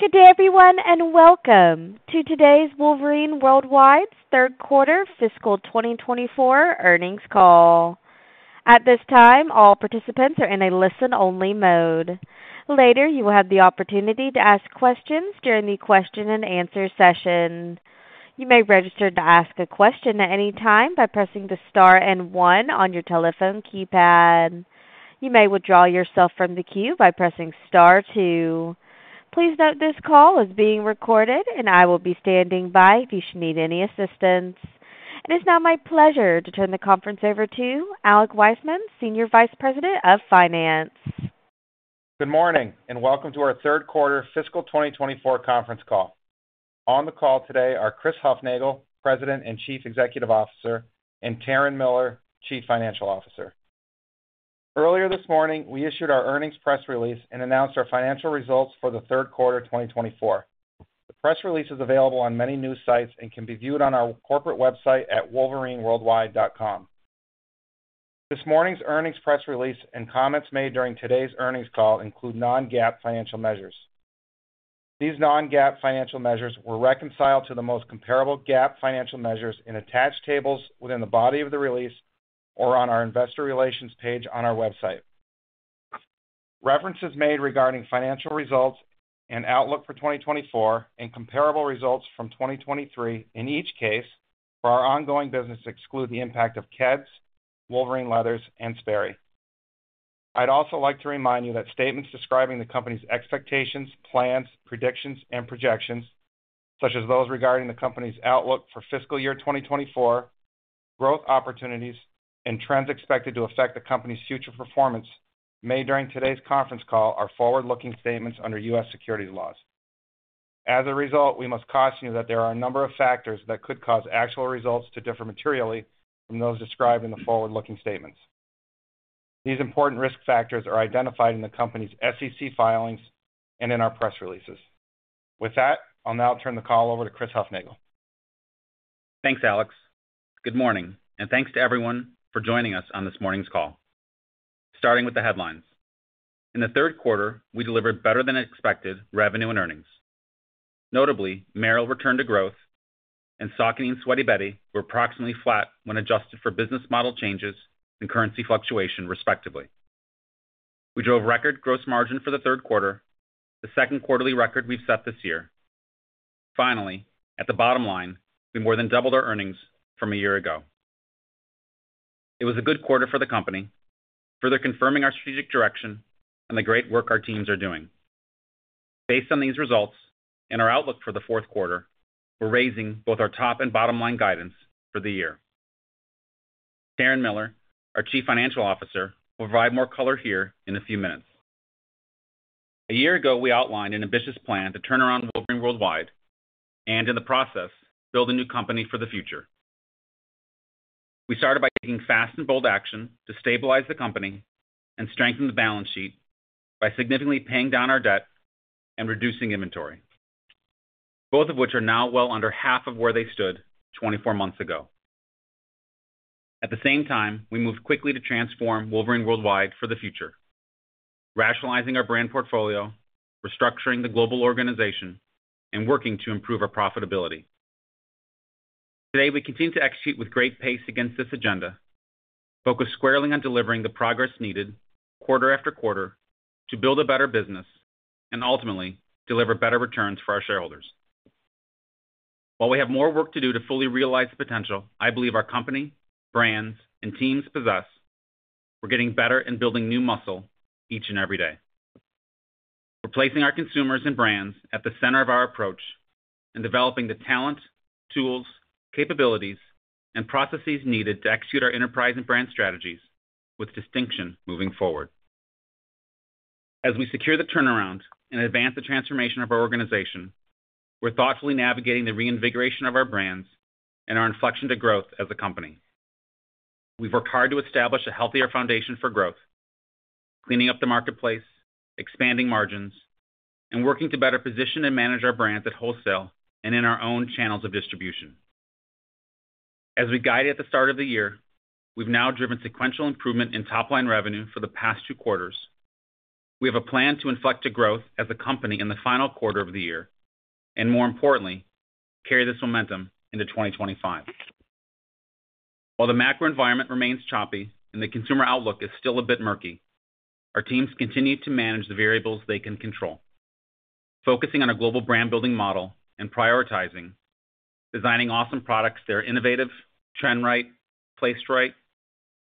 Good day, everyone, and welcome to today's Wolverine World Wide's third quarter fiscal 2024 earnings call. At this time, all participants are in a listen-only mode. Later, you will have the opportunity to ask questions during the question-and-answer session. You may register to ask a question at any time by pressing the star and one on your telephone keypad. You may withdraw yourself from the queue by pressing star two. Please note this call is being recorded, and I will be standing by if you should need any assistance. It is now my pleasure to turn the conference over to Alex Wiseman, Senior Vice President of Finance. Good morning and welcome to our third quarter fiscal 2024 conference call. On the call today are Chris Hufnagel, President and Chief Executive Officer, and Taryn Miller, Chief Financial Officer. Earlier this morning, we issued our earnings press release and announced our financial results for the third quarter 2024. The press release is available on many news sites and can be viewed on our corporate website at wolverineworldwide.com. This morning's earnings press release and comments made during today's earnings call include non-GAAP financial measures. These non-GAAP financial measures were reconciled to the most comparable GAAP financial measures in attached tables within the body of the release or on our investor relations page on our website. References made regarding financial results and outlook for 2024 and comparable results from 2023 in each case for our ongoing business exclude the impact of Keds, Wolverine Leathers, and Sperry. I'd also like to remind you that statements describing the company's expectations, plans, predictions, and projections, such as those regarding the company's outlook for fiscal year 2024, growth opportunities, and trends expected to affect the company's future performance made during today's conference call are forward-looking statements under U.S. securities laws. As a result, we must caution you that there are a number of factors that could cause actual results to differ materially from those described in the forward-looking statements. These important risk factors are identified in the company's SEC filings and in our press releases. With that, I'll now turn the call over to Chris Hufnagel. Thanks, Alex. Good morning, and thanks to everyone for joining us on this morning's call. Starting with the headlines. In the third quarter, we delivered better-than-expected revenue and earnings. Notably, Merrell returned to growth, and Saucony and Sweaty Betty were approximately flat when adjusted for business model changes and currency fluctuation, respectively. We drove record gross margin for the third quarter, the second quarterly record we've set this year. Finally, at the bottom line, we more than doubled our earnings from a year ago. It was a good quarter for the company, further confirming our strategic direction and the great work our teams are doing. Based on these results and our outlook for the fourth quarter, we're raising both our top and bottom line guidance for the year. Taryn Miller, our Chief Financial Officer, will provide more color here in a few minutes. A year ago, we outlined an ambitious plan to turn around Wolverine World Wide and, in the process, build a new company for the future. We started by taking fast and bold action to stabilize the company and strengthen the balance sheet by significantly paying down our debt and reducing inventory, both of which are now well under half of where they stood 24 months ago. At the same time, we moved quickly to transform Wolverine World Wide for the future, rationalizing our brand portfolio, restructuring the global organization, and working to improve our profitability. Today, we continue to execute with great pace against this agenda, focused squarely on delivering the progress needed quarter after quarter to build a better business and ultimately deliver better returns for our shareholders. While we have more work to do to fully realize the potential I believe our company, brands, and teams possess, we're getting better and building new muscle each and every day. We're placing our consumers and brands at the center of our approach and developing the talent, tools, capabilities, and processes needed to execute our enterprise and brand strategies with distinction moving forward. As we secure the turnaround and advance the transformation of our organization, we're thoughtfully navigating the reinvigoration of our brands and our inflection to growth as a company. We've worked hard to establish a healthier foundation for growth, cleaning up the marketplace, expanding margins, and working to better position and manage our brands at wholesale and in our own channels of distribution. As we guided at the start of the year, we've now driven sequential improvement in top-line revenue for the past two quarters. We have a plan to inflect to growth as a company in the final quarter of the year and, more importantly, carry this momentum into 2025. While the macro environment remains choppy and the consumer outlook is still a bit murky, our teams continue to manage the variables they can control, focusing on a global brand-building model and prioritizing, designing awesome products that are innovative, trend right, placed right,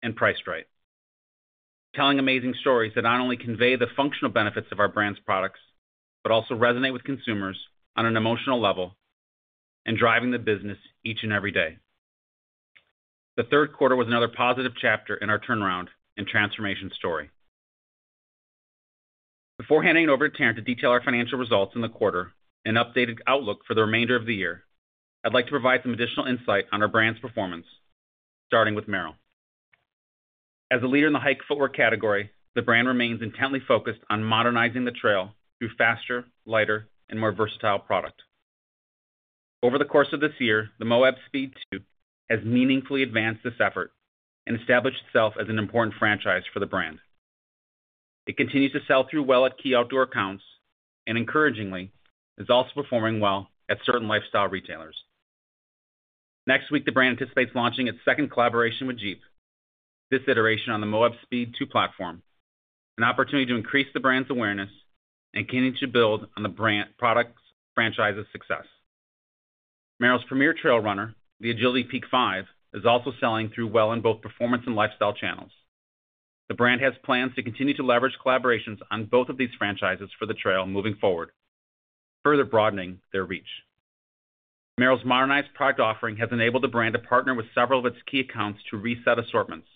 and priced right. We're telling amazing stories that not only convey the functional benefits of our brand's products but also resonate with consumers on an emotional level and driving the business each and every day. The third quarter was another positive chapter in our turnaround and transformation story. Before handing it over to Taryn to detail our financial results in the quarter and updated outlook for the remainder of the year, I'd like to provide some additional insight on our brand's performance, starting with Merrell. As a leader in the hiking footwear category, the brand remains intently focused on modernizing the trail through faster, lighter, and more versatile products. Over the course of this year, the Moab Speed 2 has meaningfully advanced this effort and established itself as an important franchise for the brand. It continues to sell through well at key outdoor accounts and, encouragingly, is also performing well at certain lifestyle retailers. Next week, the brand anticipates launching its second collaboration with Jeep, this iteration on the Moab Speed 2 platform, an opportunity to increase the brand's awareness and continue to build on the brand product franchise's success. Merrell's premier trail runner, the Agility Peak 5, is also selling through well in both performance and lifestyle channels. The brand has plans to continue to leverage collaborations on both of these franchises for the trail moving forward, further broadening their reach. Merrell's modernized product offering has enabled the brand to partner with several of its key accounts to reset assortments,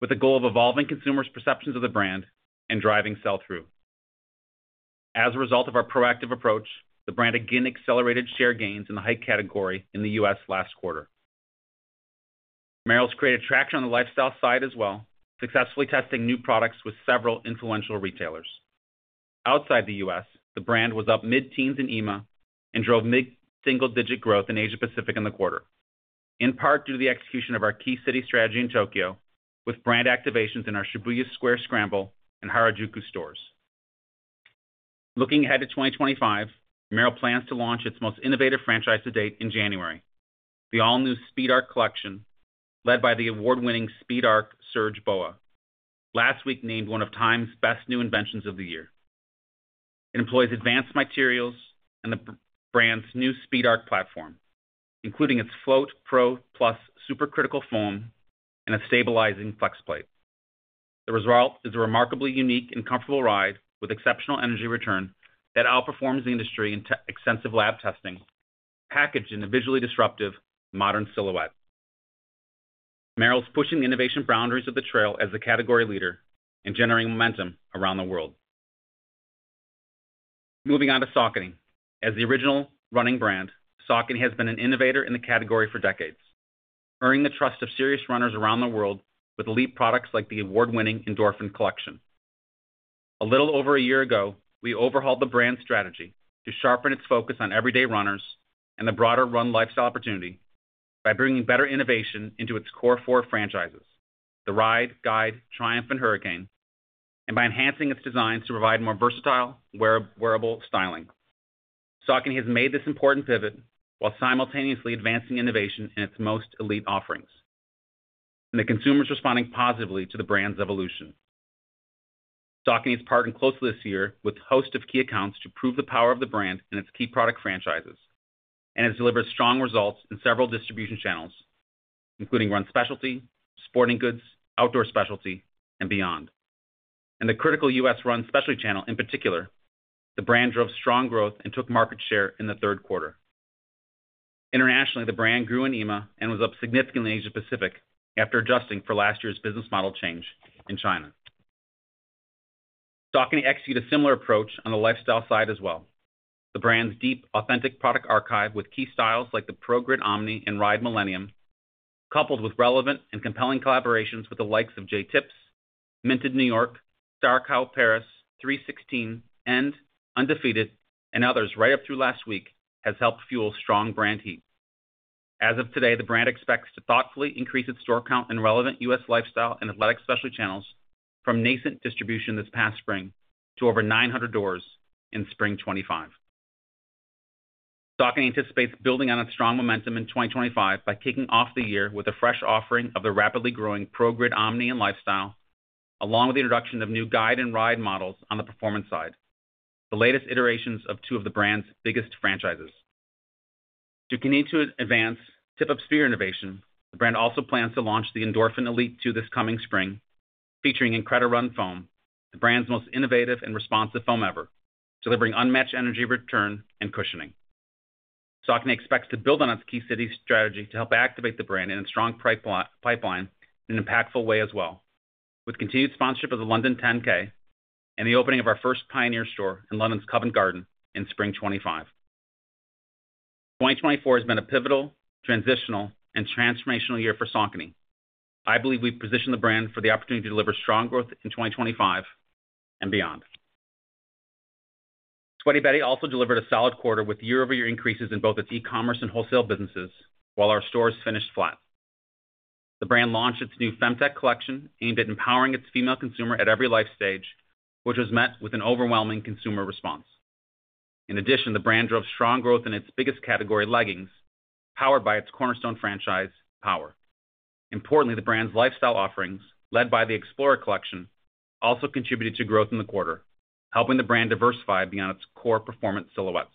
with the goal of evolving consumers' perceptions of the brand and driving sell-through. As a result of our proactive approach, the brand again accelerated share gains in the hike category in the U.S. last quarter. Merrell's created traction on the lifestyle side as well, successfully testing new products with several influential retailers. Outside the U.S., the brand was up mid-teens in EMEA and drove mid-single-digit growth in Asia-Pacific in the quarter, in part due to the execution of our key city strategy in Tokyo with brand activations in our Shibuya Scramble Square and Harajuku stores. Looking ahead to 2025, Merrell plans to launch its most innovative franchise to date in January, the all-new Speed Arc collection, led by the award-winning SpeedARC Surge BOA, last week named one of Time's best new inventions of the year. It employs advanced materials and the brand's new SpeedARC platform, including its FloatPro Plus supercritical foam and a stabilizing flex plate. The result is a remarkably unique and comfortable ride with exceptional energy return that outperforms the industry in extensive lab testing, packaged in a visually disruptive, modern silhouette. Merrell's pushing the innovation boundaries of the trail as the category leader and generating momentum around the world. Moving on to Saucony. As the original running brand, Saucony has been an innovator in the category for decades, earning the trust of serious runners around the world with elite products like the award-winning Endorphin collection. A little over a year ago, we overhauled the brand strategy to sharpen its focus on everyday runners and the broader run lifestyle opportunity by bringing better innovation into its core four franchises, the Ride, Guide, Triumph, and Hurricane, and by enhancing its designs to provide more versatile, wearable styling. Saucony has made this important pivot while simultaneously advancing innovation in its most elite offerings, and the consumer is responding positively to the brand's evolution. Saucony has partnered closely this year with a host of key accounts to prove the power of the brand and its key product franchises, and has delivered strong results in several distribution channels, including run specialty, sporting goods, outdoor specialty, and beyond. In the critical U.S. run specialty channel in particular, the brand drove strong growth and took market share in the third quarter. Internationally, the brand grew in EMEA and was up significantly in Asia-Pacific after adjusting for last year's business model change in China. Saucony executed a similar approach on the lifestyle side as well. The brand's deep, authentic product archive with key styles like the ProGrid Omni and Ride Millennium, coupled with relevant and compelling collaborations with the likes of Jae Tips, Minted New York, Starcow Paris, 3sixteen, END., Undefeated, and others right up through last week, has helped fuel strong brand heat. As of today, the brand expects to thoughtfully increase its store count in relevant U.S. lifestyle and athletic specialty channels from nascent distribution this past spring to over 900 doors in spring 2025. Saucony anticipates building on its strong momentum in 2025 by kicking off the year with a fresh offering of the rapidly growing ProGrid Omni and Lifestyle, along with the introduction of new Guide and Ride models on the performance side, the latest iterations of two of the brand's biggest franchises. To continue to advance tip-of-the-spear innovation, the brand also plans to launch the Endorphin Elite 2 this coming spring, featuring IncrediRun foam, the brand's most innovative and responsive foam ever, delivering unmatched energy return and cushioning. Saucony expects to build on its key city strategy to help activate the brand in a strong pipeline in an impactful way as well, with continued sponsorship of the London 10K and the opening of our first Pioneer store in London's Covent Garden in spring 2025. 2024 has been a pivotal, transitional, and transformational year for Saucony. I believe we've positioned the brand for the opportunity to deliver strong growth in 2025 and beyond. Sweaty Betty also delivered a solid quarter with year-over-year increases in both its e-commerce and wholesale businesses while our stores finished flat. The brand launched its new FemTech collection aimed at empowering its female consumer at every life stage, which was met with an overwhelming consumer response. In addition, the brand drove strong growth in its biggest category, leggings, powered by its cornerstone franchise, Power. Importantly, the brand's lifestyle offerings, led by the Explorer collection, also contributed to growth in the quarter, helping the brand diversify beyond its core performance silhouettes.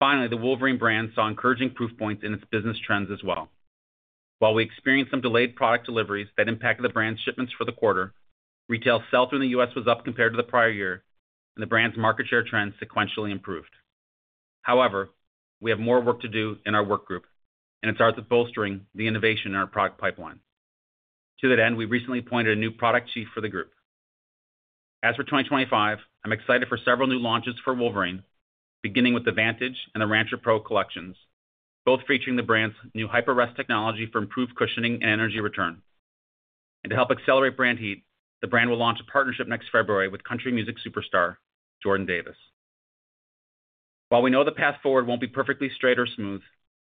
Finally, the Wolverine brand saw encouraging proof points in its business trends as well. While we experienced some delayed product deliveries that impacted the brand's shipments for the quarter, retail sell-through in the U.S. was up compared to the prior year, and the brand's market share trends sequentially improved. However, we have more work to do in our work group, and it's ours to bolster the innovation in our product pipeline. To that end, we recently appointed a new product chief for the group. As for 2025, I'm excited for several new launches for Wolverine, beginning with the Vantage and the Rancher Pro collections, both featuring the brand's new HyperRest technology for improved cushioning and energy return. To help accelerate brand heat, the brand will launch a partnership next February with country music superstar Jordan Davis. While we know the path forward won't be perfectly straight or smooth,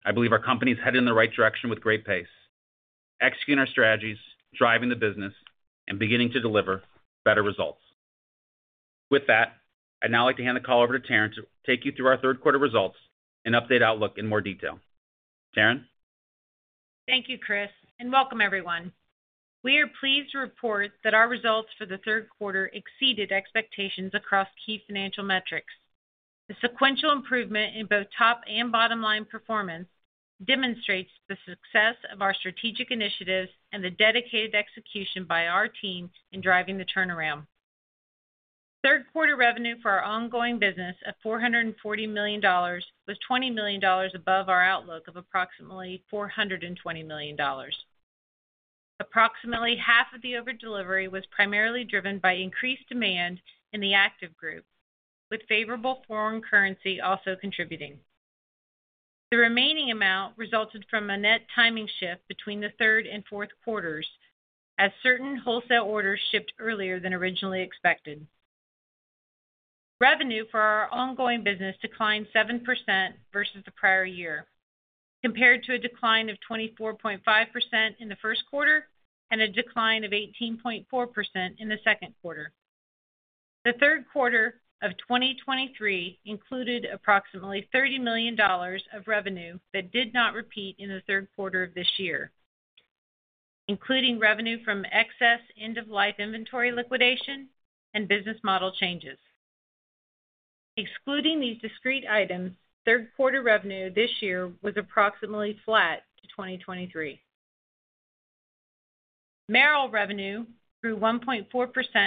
I believe our company is headed in the right direction with great pace, executing our strategies, driving the business, and beginning to deliver better results. With that, I'd now like to hand the call over to Taryn to take you through our third quarter results and update outlook in more detail. Taryn? Thank you, Chris, and welcome, everyone. We are pleased to report that our results for the third quarter exceeded expectations across key financial metrics. The sequential improvement in both top and bottom line performance demonstrates the success of our strategic initiatives and the dedicated execution by our team in driving the turnaround. Third quarter revenue for our ongoing business of $440 million was $20 million above our outlook of approximately $420 million. Approximately half of the overdelivery was primarily driven by increased demand in the active group, with favorable foreign currency also contributing. The remaining amount resulted from a net timing shift between the third and fourth quarters, as certain wholesale orders shipped earlier than originally expected. Revenue for our ongoing business declined 7% versus the prior year, compared to a decline of 24.5% in the first quarter and a decline of 18.4% in the second quarter. The third quarter of 2023 included approximately $30 million of revenue that did not repeat in the third quarter of this year, including revenue from excess end-of-life inventory liquidation and business model changes. Excluding these discrete items, third quarter revenue this year was approximately flat to 2023. Merrell revenue grew 1.4%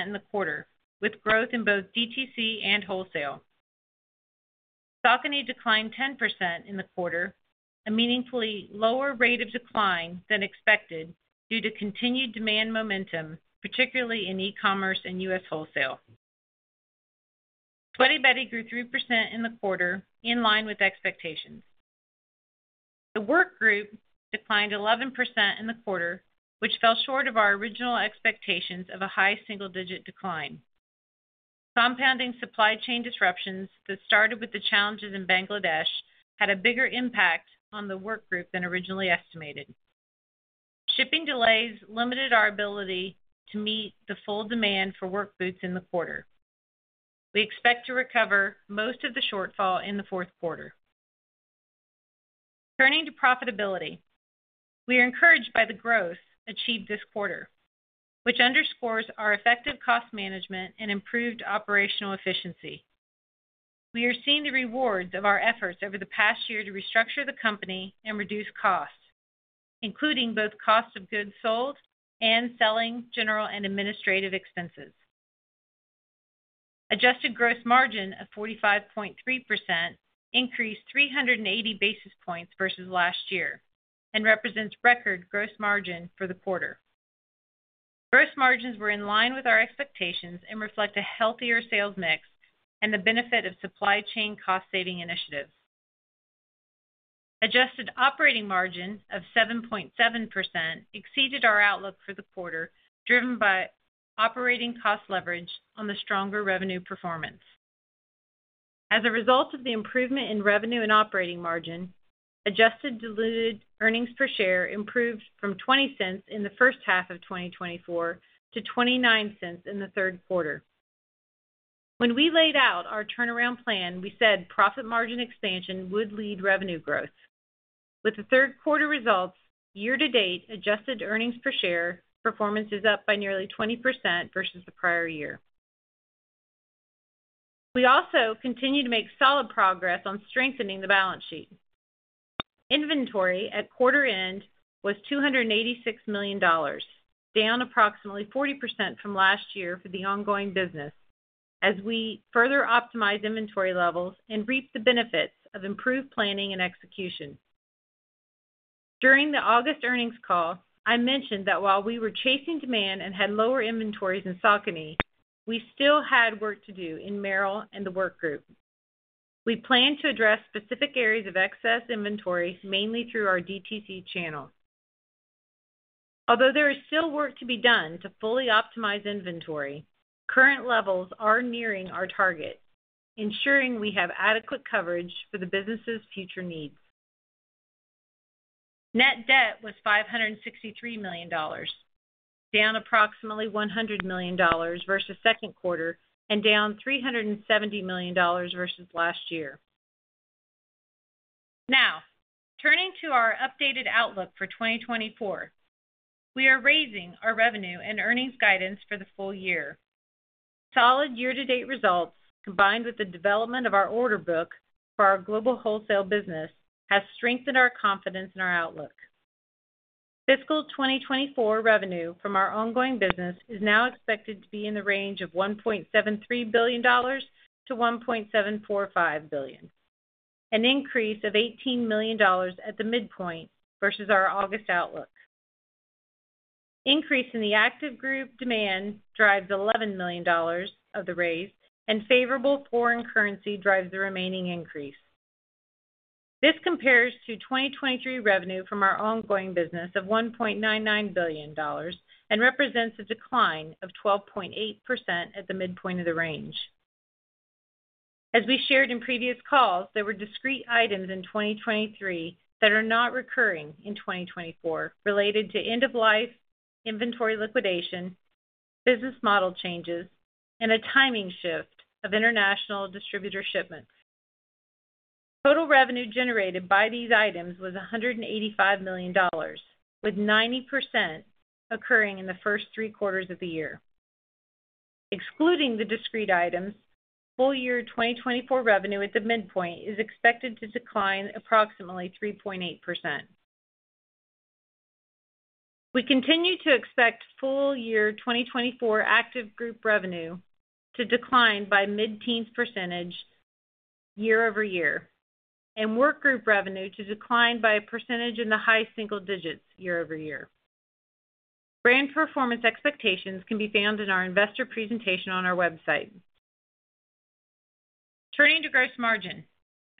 in the quarter, with growth in both DTC and wholesale. Saucony declined 10% in the quarter, a meaningfully lower rate of decline than expected due to continued demand momentum, particularly in e-commerce and U.S. wholesale. Sweaty Betty grew 3% in the quarter, in line with expectations. The work group declined 11% in the quarter, which fell short of our original expectations of a high single-digit decline. Compounding supply chain disruptions that started with the challenges in Bangladesh had a bigger impact on the work group than originally estimated. Shipping delays limited our ability to meet the full demand for work boots in the quarter. We expect to recover most of the shortfall in the fourth quarter. Turning to profitability, we are encouraged by the growth achieved this quarter, which underscores our effective cost management and improved operational efficiency. We are seeing the rewards of our efforts over the past year to restructure the company and reduce costs, including both cost of goods sold and selling general and administrative expenses. Adjusted gross margin of 45.3% increased 380 basis points versus last year and represents record gross margin for the quarter. Gross margins were in line with our expectations and reflect a healthier sales mix and the benefit of supply chain cost-saving initiatives. Adjusted operating margin of 7.7% exceeded our outlook for the quarter, driven by operating cost leverage on the stronger revenue performance. As a result of the improvement in revenue and operating margin, adjusted diluted earnings per share improved from $0.20 in the first half of 2024 to $0.29 in the third quarter. When we laid out our turnaround plan, we said profit margin expansion would lead revenue growth. With the third quarter results, year-to-date adjusted earnings per share performance is up by nearly 20% versus the prior year. We also continue to make solid progress on strengthening the balance sheet. Inventory at quarter end was $286 million, down approximately 40% from last year for the ongoing business, as we further optimize inventory levels and reap the benefits of improved planning and execution. During the August earnings call, I mentioned that while we were chasing demand and had lower inventories in Saucony, we still had work to do in Merrell and the work group. We plan to address specific areas of excess inventory mainly through our DTC channel. Although there is still work to be done to fully optimize inventory, current levels are nearing our target, ensuring we have adequate coverage for the business's future needs. Net debt was $563 million, down approximately $100 million versus second quarter and down $370 million versus last year. Now, turning to our updated outlook for 2024, we are raising our revenue and earnings guidance for the full year. Solid year-to-date results, combined with the development of our order book for our global wholesale business, have strengthened our confidence in our outlook. Fiscal 2024 revenue from our ongoing business is now expected to be in the range of $1.73 billion-$1.745 billion, an increase of $18 million at the midpoint versus our August outlook. Increase in the active group demand drives $11 million of the raise, and favorable foreign currency drives the remaining increase. This compares to 2023 revenue from our ongoing business of $1.99 billion and represents a decline of 12.8% at the midpoint of the range. As we shared in previous calls, there were discrete items in 2023 that are not recurring in 2024 related to end-of-life inventory liquidation, business model changes, and a timing shift of international distributor shipments. Total revenue generated by these items was $185 million, with 90% occurring in the first three quarters of the year. Excluding the discrete items, full year 2024 revenue at the midpoint is expected to decline approximately 3.8%. We continue to expect full year 2024 active group revenue to decline by mid-teens percentage year-over-year, and work group revenue to decline by a percentage in the high single digits percentage year-over-year. Brand performance expectations can be found in our investor presentation on our website. Turning to gross margin.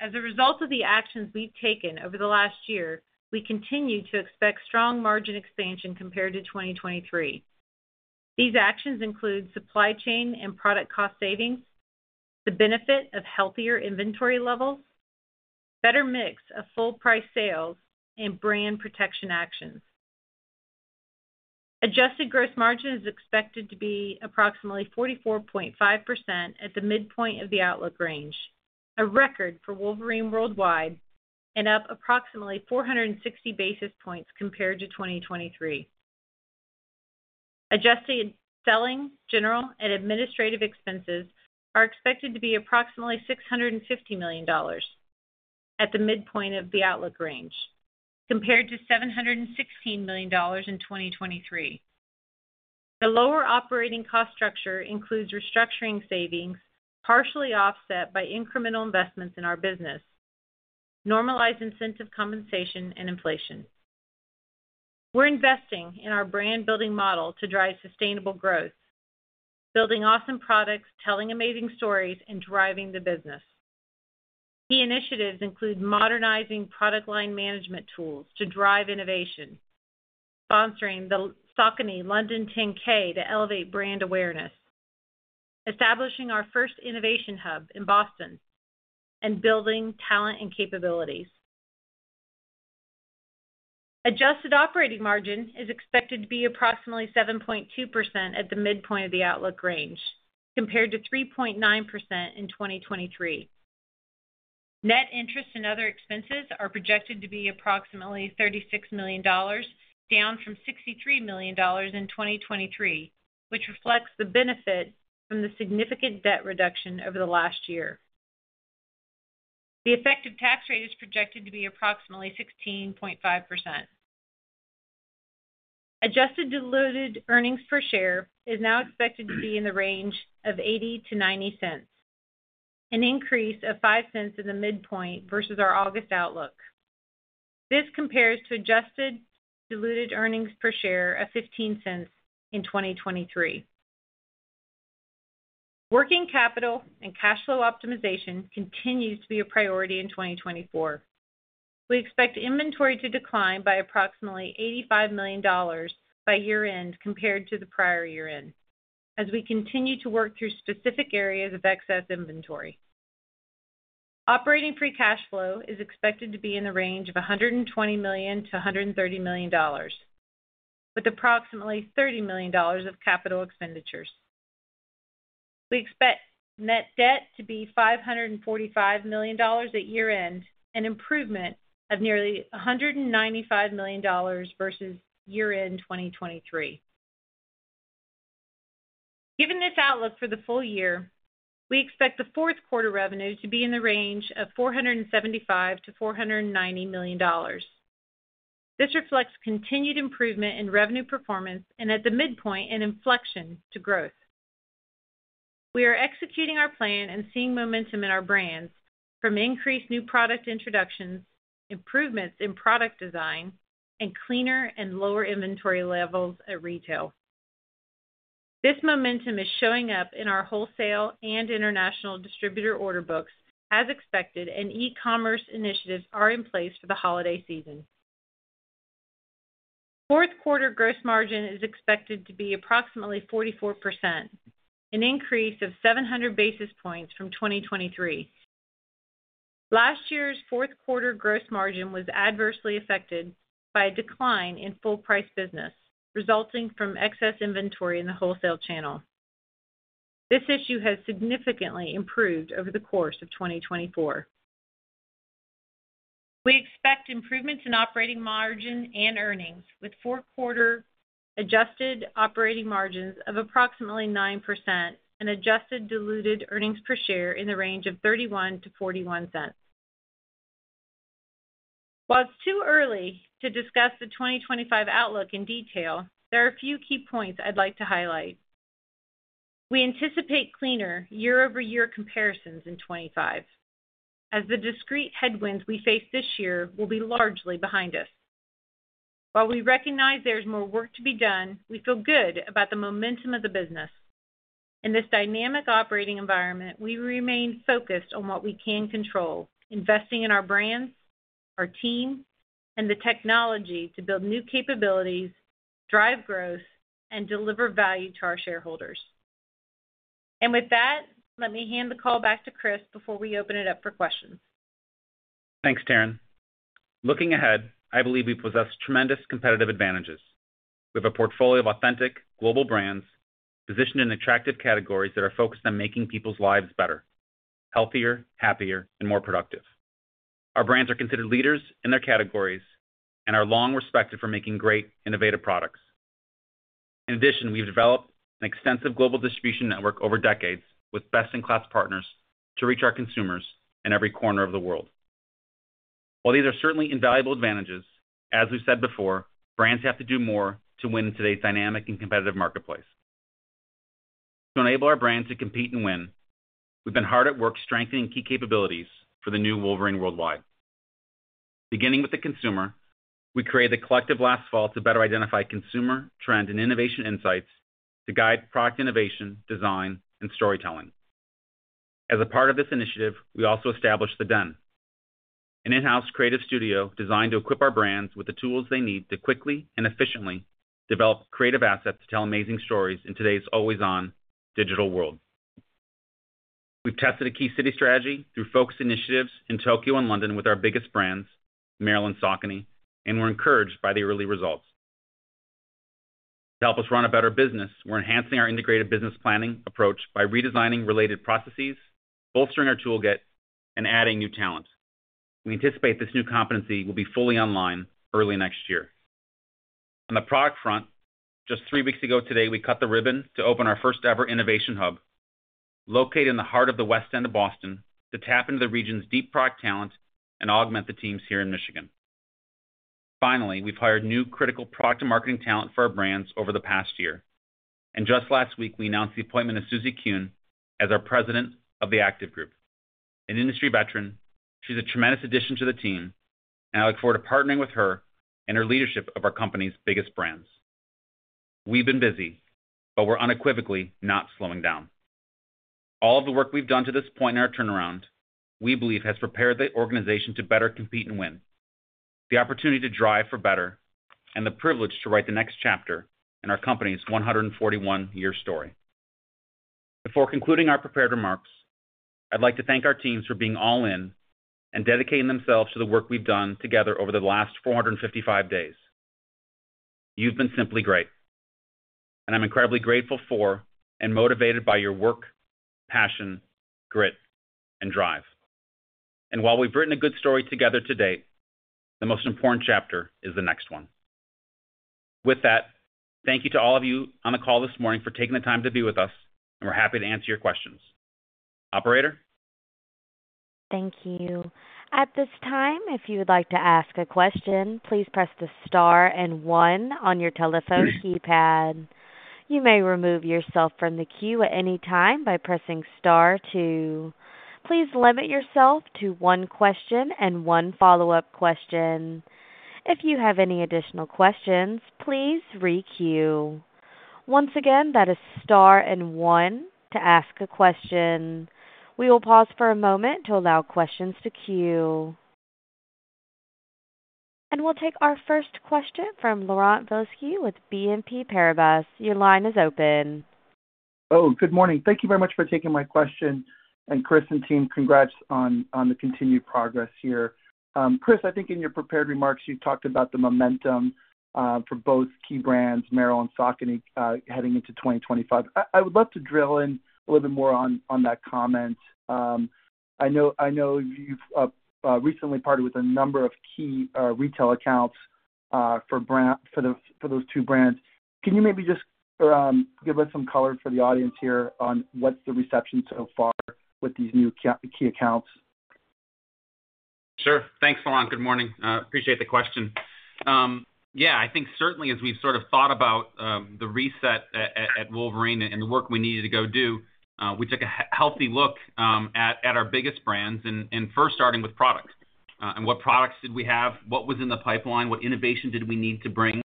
As a result of the actions we've taken over the last year, we continue to expect strong margin expansion compared to 2023. These actions include supply chain and product cost savings, the benefit of healthier inventory levels, better mix of full-price sales, and brand protection actions. Adjusted gross margin is expected to be approximately 44.5% at the midpoint of the outlook range, a record for Wolverine World Wide and up approximately 460 basis points compared to 2023. Adjusted selling, general, and administrative expenses are expected to be approximately $650 million at the midpoint of the outlook range, compared to $716 million in 2023. The lower operating cost structure includes restructuring savings, partially offset by incremental investments in our business, normalized incentive compensation, and inflation. We're investing in our brand-building model to drive sustainable growth, building awesome products, telling amazing stories, and driving the business. Key initiatives include modernizing product line management tools to drive innovation, sponsoring the Saucony London 10K to elevate brand awareness, establishing our first innovation hub in Boston, and building talent and capabilities. Adjusted operating margin is expected to be approximately 7.2% at the midpoint of the outlook range, compared to 3.9% in 2023. Net interest and other expenses are projected to be approximately $36 million, down from $63 million in 2023, which reflects the benefit from the significant debt reduction over the last year. The effective tax rate is projected to be approximately 16.5%. Adjusted diluted earnings per share is now expected to be in the range of $0.80-$0.90, an increase of $0.05 in the midpoint versus our August outlook. This compares to adjusted diluted earnings per share of $0.15 in 2023. Working capital and cash flow optimization continues to be a priority in 2024. We expect inventory to decline by approximately $85 million by year-end compared to the prior year-end, as we continue to work through specific areas of excess inventory. Operating free cash flow is expected to be in the range of $120 million-$130 million, with approximately $30 million of capital expenditures. We expect net debt to be $545 million at year-end, an improvement of nearly $195 million versus year-end 2023. Given this outlook for the full year, we expect the fourth quarter revenue to be in the range of $475 million-$490 million. This reflects continued improvement in revenue performance and at the midpoint an inflection to growth. We are executing our plan and seeing momentum in our brands from increased new product introductions, improvements in product design, and cleaner and lower inventory levels at retail. This momentum is showing up in our wholesale and international distributor order books, as expected, and e-commerce initiatives are in place for the holiday season. Fourth quarter gross margin is expected to be approximately 44%, an increase of 700 basis points from 2023. Last year's fourth quarter gross margin was adversely affected by a decline in full-price business resulting from excess inventory in the wholesale channel. This issue has significantly improved over the course of 2024. We expect improvements in operating margin and earnings with fourth quarter adjusted operating margins of approximately 9% and adjusted diluted earnings per share in the range of $0.31-$0.41. While it's too early to discuss the 2025 outlook in detail, there are a few key points I'd like to highlight. We anticipate cleaner year-over-year comparisons in 2025, as the discrete headwinds we face this year will be largely behind us. While we recognize there's more work to be done, we feel good about the momentum of the business. In this dynamic operating environment, we remain focused on what we can control, investing in our brands, our team, and the technology to build new capabilities, drive growth, and deliver value to our shareholders, and with that, let me hand the call back to Chris before we open it up for questions. Thanks, Taryn. Looking ahead, I believe we possess tremendous competitive advantages. We have a portfolio of authentic global brands positioned in attractive categories that are focused on making people's lives better: healthier, happier, and more productive. Our brands are considered leaders in their categories and are long respected for making great, innovative products. In addition, we've developed an extensive global distribution network over decades with best-in-class partners to reach our consumers in every corner of the world. While these are certainly invaluable advantages, as we've said before, brands have to do more to win in today's dynamic and competitive marketplace. To enable our brand to compete and win, we've been hard at work strengthening key capabilities for the new Wolverine World Wide. Beginning with the consumer, we created The Collective last fall to better identify consumer, trend, and innovation insights to guide product innovation, design, and storytelling. As a part of this initiative, we also established The Den, an in-house creative studio designed to equip our brands with the tools they need to quickly and efficiently develop creative assets to tell amazing stories in today's always-on digital world. We've tested a key city strategy through focus initiatives in Tokyo and London with our biggest brands, Merrell and Saucony, and we're encouraged by the early results. To help us run a better business, we're enhancing our integrated business planning approach by redesigning related processes, bolstering our toolkit, and adding new talent. We anticipate this new competency will be fully online early next year. On the product front, just three weeks ago today, we cut the ribbon to open our first-ever innovation hub, located in the heart of the West End of Boston, to tap into the region's deep product talent and augment the teams here in Michigan. Finally, we've hired new critical product and marketing talent for our brands over the past year. And just last week, we announced the appointment of Susie Kuhn as our President of the Active Group. An industry veteran, she's a tremendous addition to the team, and I look forward to partnering with her and her leadership of our company's biggest brands. We've been busy, but we're unequivocally not slowing down. All of the work we've done to this point in our turnaround, we believe, has prepared the organization to better compete and win, the opportunity to drive for better, and the privilege to write the next chapter in our company's 141-year story. Before concluding our prepared remarks, I'd like to thank our teams for being all-in and dedicating themselves to the work we've done together over the last 455 days. You've been simply great, and I'm incredibly grateful for and motivated by your work, passion, grit, and drive, and while we've written a good story together to date, the most important chapter is the next one. With that, thank you to all of you on the call this morning for taking the time to be with us, and we're happy to answer your questions. Operator? Thank you. At this time, if you would like to ask a question, please press the star and one on your telephone keypad. You may remove yourself from the queue at any time by pressing star two. Please limit yourself to one question and one follow-up question. If you have any additional questions, please re-queue. Once again, that is star and one to ask a question. We will pause for a moment to allow questions to queue, and we'll take our first question from Laurent Vasilescu with BNP Paribas. Your line is open. Oh, good morning. Thank you very much for taking my question, and Chris and team, congrats on the continued progress here. Chris, I think in your prepared remarks, you talked about the momentum for both key brands, Merrell and Saucony, heading into 2025. I would love to drill in a little bit more on that comment. I know you've recently parted with a number of key retail accounts for those two brands. Can you maybe just give us some color for the audience here on what's the reception so far with these new key accounts? Sure. Thanks, Laurent. Good morning. Appreciate the question. Yeah, I think certainly as we've sort of thought about the reset at Wolverine and the work we needed to go do, we took a healthy look at our biggest brands and first starting with products. And what products did we have? What was in the pipeline? What innovation did we need to bring?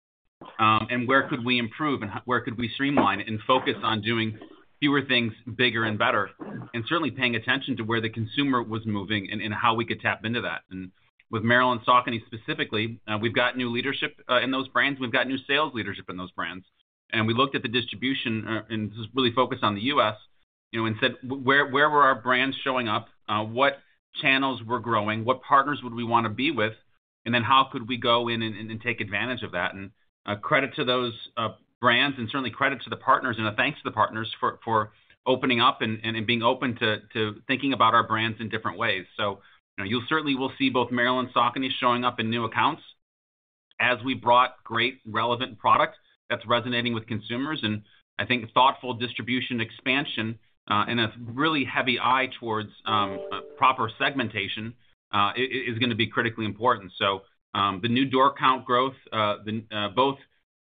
And where could we improve? And where could we streamline and focus on doing fewer things, bigger, and better? And certainly paying attention to where the consumer was moving and how we could tap into that. And with Merrell and Saucony specifically, we've got new leadership in those brands. We've got new sales leadership in those brands. And we looked at the distribution, and this was really focused on the U.S., and said, "Where were our brands showing up? What channels were growing? What partners would we want to be with? And then how could we go in and take advantage of that?" And credit to those brands and certainly credit to the partners and a thanks to the partners for opening up and being open to thinking about our brands in different ways. So you'll certainly see both Merrell and Saucony showing up in new accounts as we brought great, relevant product that's resonating with consumers. And I think thoughtful distribution expansion and a really heavy eye towards proper segmentation is going to be critically important. So the new door count growth, both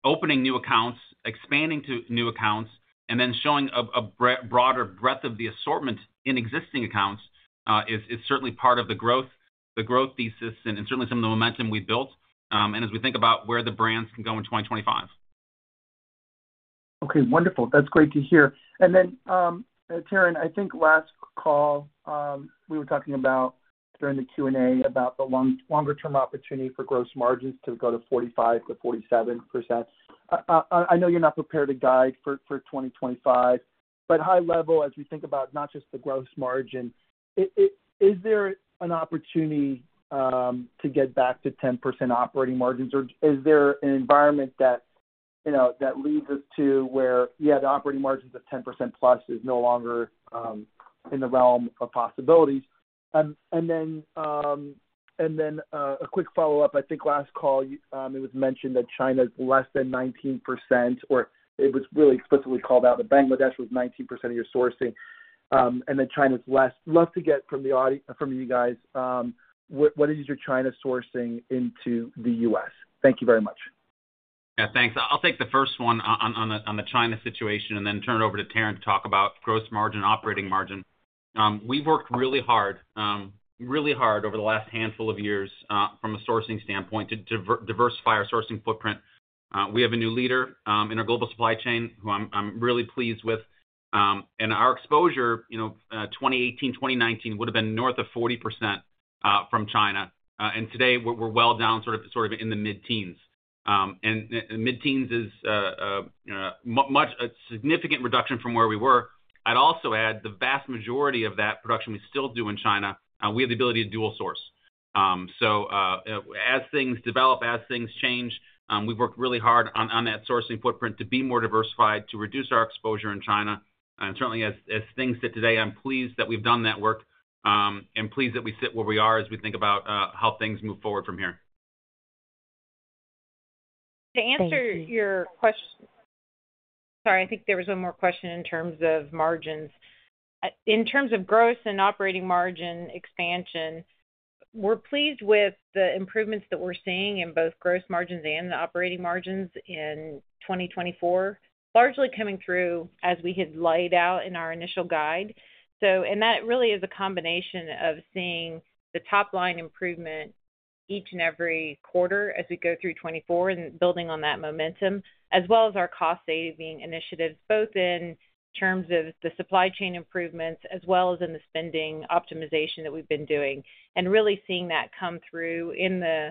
opening new accounts, expanding to new accounts, and then showing a broader breadth of the assortment in existing accounts is certainly part of the growth thesis and certainly some of the momentum we've built and as we think about where the brands can go in 2025. Okay. Wonderful. That's great to hear. And then, Taryn, I think last call we were talking about during the Q&A about the longer-term opportunity for gross margins to go to 45%-47%. I know you're not prepared to guide for 2025, but high level, as we think about not just the gross margin, is there an opportunity to get back to 10% operating margins? Or is there an environment that leads us to where, yeah, the operating margins of 10% plus is no longer in the realm of possibilities? And then a quick follow-up. I think last call, it was mentioned that China's less than 19%, or it was really explicitly called out that Bangladesh was 19% of your sourcing, and then China's less. Love to get from you guys, what is your China sourcing into the U.S.? Thank you very much. Yeah, thanks. I'll take the first one on the China situation and then turn it over to Taryn to talk about gross margin, operating margin. We've worked really hard, really hard over the last handful of years from a sourcing standpoint to diversify our sourcing footprint. We have a new leader in our global supply chain who I'm really pleased with, and our exposure, 2018, 2019, would have been north of 40% from China, and today, we're well down sort of in the mid-teens, and mid-teens is a significant reduction from where we were. I'd also add the vast majority of that production we still do in China. We have the ability to dual source. So as things develop, as things change, we've worked really hard on that sourcing footprint to be more diversified, to reduce our exposure in China. And certainly, as things sit today, I'm pleased that we've done that work and pleased that we sit where we are as we think about how things move forward from here. To answer your question, sorry, I think there was one more question in terms of margins. In terms of gross and operating margin expansion, we're pleased with the improvements that we're seeing in both gross margins and operating margins in 2024, largely coming through as we had laid out in our initial guide. That really is a combination of seeing the top-line improvement each and every quarter as we go through 2024 and building on that momentum, as well as our cost-saving initiatives, both in terms of the supply chain improvements as well as in the spending optimization that we've been doing, and really seeing that come through in the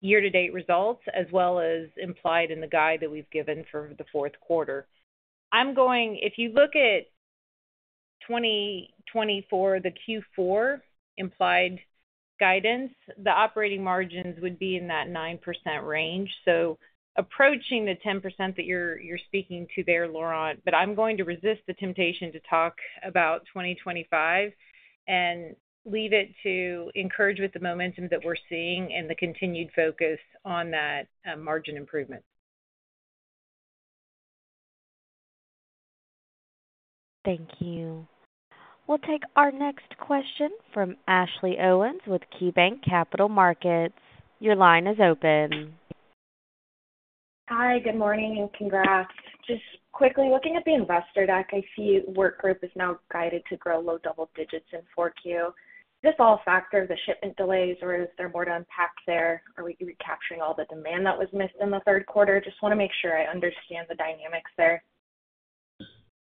year-to-date results as well as implied in the guide that we've given for the fourth quarter. If you look at 2024, the Q4 implied guidance, the operating margins would be in that 9% range. So approaching the 10% that you're speaking to there, Laurent, but I'm going to resist the temptation to talk about 2025 and leave it to encourage with the momentum that we're seeing and the continued focus on that margin improvement. Thank you. We'll take our next question from Ashley Owens with KeyBanc Capital Markets. Your line is open. Hi, good morning. Congrats. Just quickly looking at the investor deck, I see Work Group is now guided to grow low double digits in 4Q. Does this all factor the shipment delays, or is there more to unpack there, or are we recapturing all the demand that was missed in the third quarter? Just want to make sure I understand the dynamics there.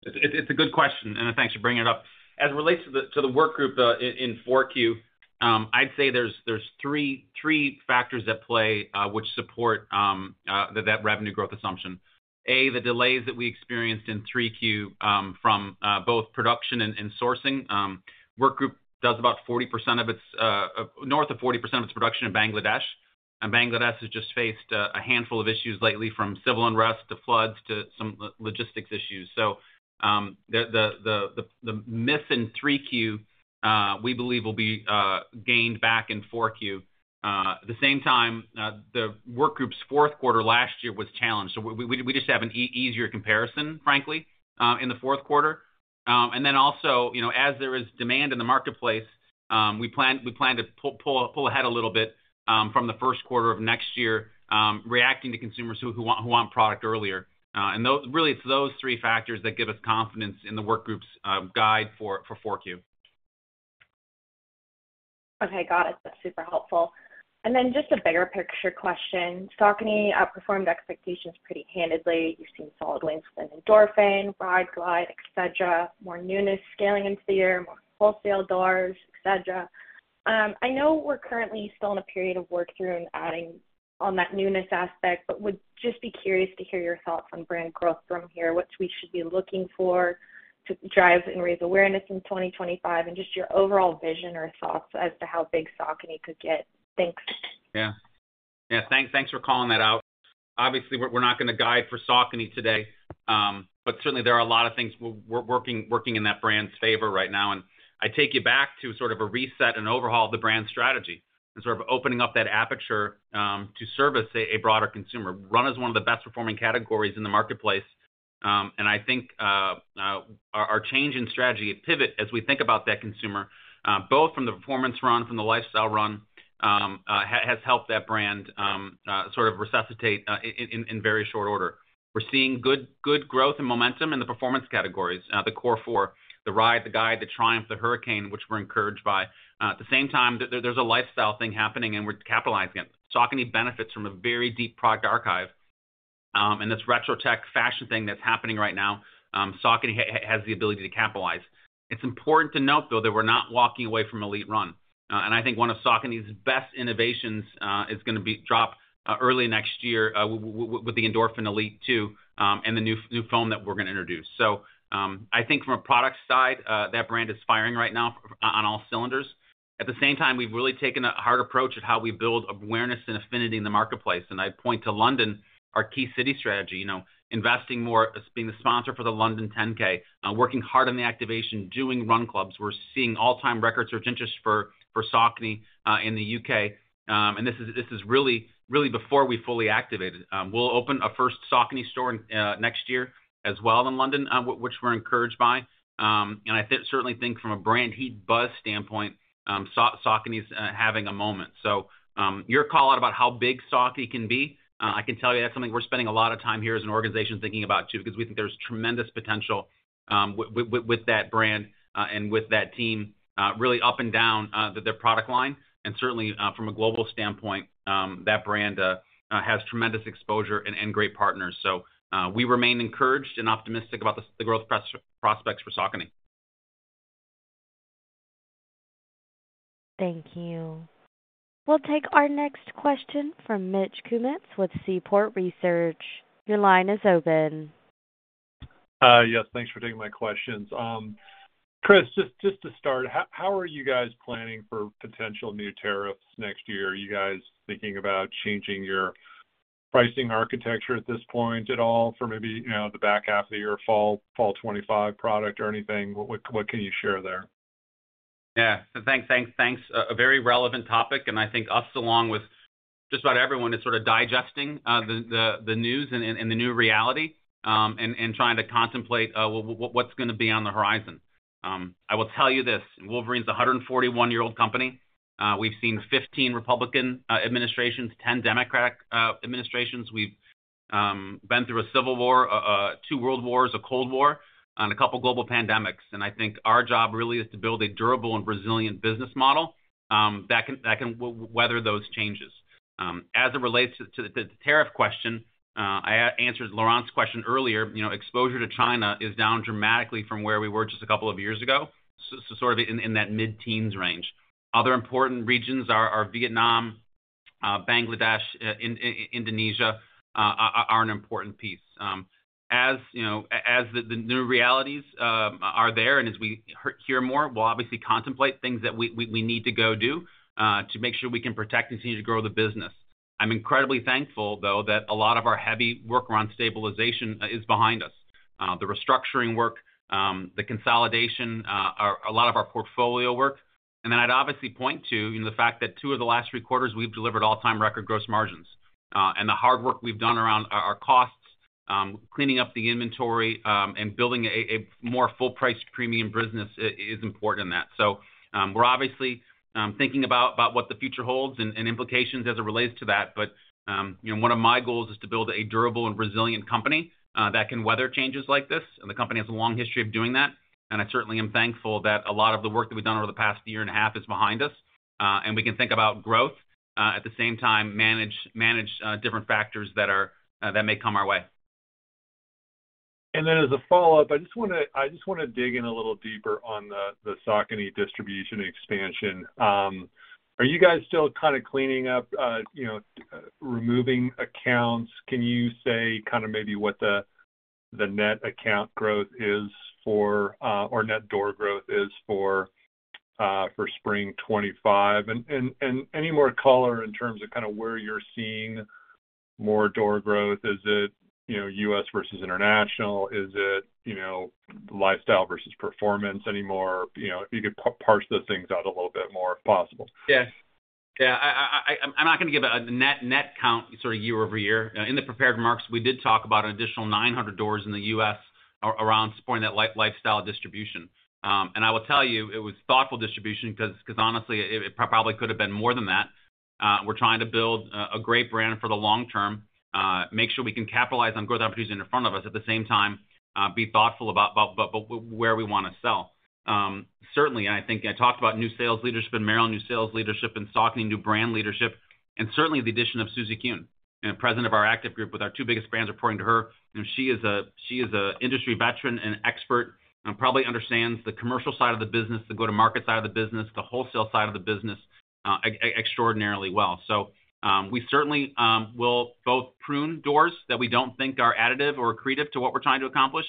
It's a good question, and thanks for bringing it up. As it relates to the Work Group in 4Q, I'd say there's three factors at play which support that revenue growth assumption. A, the delays that we experienced in 3Q from both production and sourcing. Work Group does about 40% of its north of 40% of its production in Bangladesh, and Bangladesh has just faced a handful of issues lately from civil unrest to floods to some logistics issues. So the miss in 3Q we believe will be gained back in 4Q. At the same time, the Active Group's fourth quarter last year was challenged. So we just have an easier comparison, frankly, in the fourth quarter. And then also, as there is demand in the marketplace, we plan to pull ahead a little bit from the first quarter of next year, reacting to consumers who want product earlier. And really, it's those three factors that give us confidence in the Active Group's guide for 4Q. Okay. Got it. That's super helpful. And then just a bigger picture question. Saucony performed expectations pretty candidly. You've seen solid lengths within Endorphin, Ride, Guide, etc. More newness scaling into the year, more wholesale doors, etc. I know we're currently still in a period of work through and adding on that newness aspect, but would just be curious to hear your thoughts on brand growth from here, what we should be looking for to drive and raise awareness in 2025, and just your overall vision or thoughts as to how big Saucony could get. Thanks. Yeah. Yeah. Thanks for calling that out. Obviously, we're not going to guide for Saucony today, but certainly, there are a lot of things working in that brand's favor right now and I take you back to sort of a reset and overhaul of the brand strategy and sort of opening up that aperture to service a broader consumer. Run is one of the best-performing categories in the marketplace. I think our change in strategy at Pivot, as we think about that consumer, both from the performance run, from the lifestyle run, has helped that brand sort of resuscitate in very short order. We're seeing good growth and momentum in the performance categories, the core four, the Ride, the Guide, the Triumph, the Hurricane, which we're encouraged by. At the same time, there's a lifestyle thing happening, and we're capitalizing it. Saucony benefits from a very deep product archive. This retro tech fashion thing that's happening right now, Saucony has the ability to capitalize. It's important to note, though, that we're not walking away from Elite Run. I think one of Saucony's best innovations is going to drop early next year with the Endorphin Elite 2 and the new foam that we're going to introduce. So I think from a product side, that brand is firing right now on all cylinders. At the same time, we've really taken a hard approach at how we build awareness and affinity in the marketplace. And I point to London, our key city strategy, investing more, being the sponsor for the London 10K, working hard on the activation, doing run clubs. We're seeing all-time record search interest for Saucony in the U.K. And this is really before we fully activated. We'll open a first Saucony store next year as well in London, which we're encouraged by. And I certainly think from a brand heat buzz standpoint, Saucony's having a moment. So your call out about how big Saucony can be, I can tell you that's something we're spending a lot of time here as an organization thinking about too because we think there's tremendous potential with that brand and with that team really up and down their product line. And certainly, from a global standpoint, that brand has tremendous exposure and great partners. So we remain encouraged and optimistic about the growth prospects for Saucony. Thank you. We'll take our next question from Mitch Kummetz with Seaport Research Partners. Your line is open. Yes. Thanks for taking my questions. Chris, just to start, how are you guys planning for potential new tariffs next year? Are you guys thinking about changing your pricing architecture at this point at all for maybe the back half of your fall 2025 product or anything? What can you share there? Yeah. So, thanks. A very relevant topic. And I think us, along with just about everyone, is sort of digesting the news and the new reality and trying to contemplate what's going to be on the horizon. I will tell you this. Wolverine's a 141-year-old company. We've seen 15 Republican administrations, 10 Democratic administrations. We've been through a civil war, two world wars, a cold war, and a couple of global pandemics. And I think our job really is to build a durable and resilient business model that can weather those changes. As it relates to the tariff question, I answered Laurent's question earlier. Exposure to China is down dramatically from where we were just a couple of years ago, sort of in that mid-teens range. Other important regions are Vietnam, Bangladesh, Indonesia are an important piece. As the new realities are there and as we hear more, we'll obviously contemplate things that we need to go do to make sure we can protect and continue to grow the business. I'm incredibly thankful, though, that a lot of our heavy work around stabilization is behind us: the restructuring work, the consolidation, a lot of our portfolio work, and then I'd obviously point to the fact that two of the last three quarters, we've delivered all-time record gross margins. And the hard work we've done around our costs, cleaning up the inventory and building a more full-priced premium business is important in that, so we're obviously thinking about what the future holds and implications as it relates to that, but one of my goals is to build a durable and resilient company that can weather changes like this, and the company has a long history of doing that. And I certainly am thankful that a lot of the work that we've done over the past year and a half is behind us. And we can think about growth at the same time, manage different factors that may come our way. And then as a follow-up, I just want to dig in a little deeper on the Saucony distribution expansion. Are you guys still kind of cleaning up, removing accounts? Can you say kind of maybe what the net account growth is for or net door growth is for spring 2025? And any more color in terms of kind of where you're seeing more door growth? Is it U.S. versus international? Is it lifestyle versus performance anymore? If you could parse those things out a little bit more if possible. Yeah. Yeah. I'm not going to give a net count sort of year-over-year. In the prepared remarks, we did talk about an additional 900 doors in the U.S. around supporting that lifestyle distribution. And I will tell you, it was thoughtful distribution because honestly, it probably could have been more than that. We're trying to build a great brand for the long term, make sure we can capitalize on growth opportunities in front of us, at the same time, be thoughtful about where we want to sell. Certainly, I think I talked about new sales leadership in Merrell, new sales leadership in Saucony, new brand leadership, and certainly the addition of Susie Kuhn, President of our active group with our two biggest brands reporting to her. She is an industry veteran and expert and probably understands the commercial side of the business, the go-to-market side of the business, the wholesale side of the business extraordinarily well. So we certainly will both prune doors that we don't think are additive or creative to what we're trying to accomplish.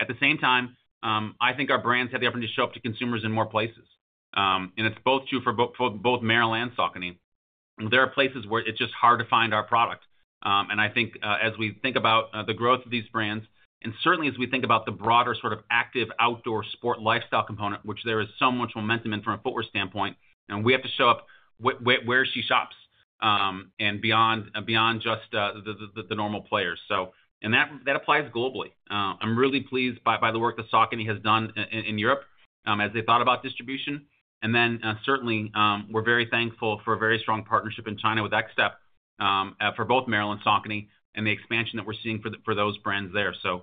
At the same time, I think our brands have the opportunity to show up to consumers in more places. And it's both true for both Merrell and Saucony. There are places where it's just hard to find our product. And I think as we think about the growth of these brands, and certainly as we think about the broader sort of active outdoor sport lifestyle component, which there is so much momentum in from a footwear standpoint, and we have to show up where she shops and beyond just the normal players. And that applies globally. I'm really pleased by the work that Saucony has done in Europe as they thought about distribution. And then certainly, we're very thankful for a very strong partnership in China with Xtep for both Merrell and Saucony and the expansion that we're seeing for those brands there. So